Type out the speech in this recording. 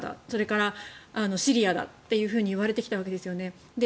それからシリアだって言われてきたわけですよね。